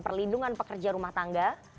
perlindungan pekerja rumah tangga